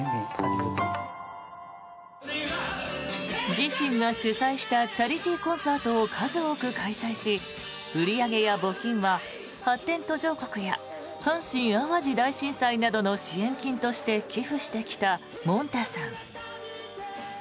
自身が主催したチャリティーコンサートを数多く開催し売り上げや募金は発展途上国や阪神・淡路大震災などの支援金として寄付してきたもんたさん。